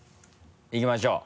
いきましょう。